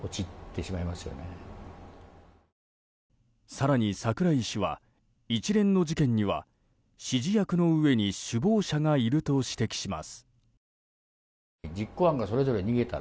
更に櫻井氏は、一連の事件には指示役の上に首謀者がいると指摘します。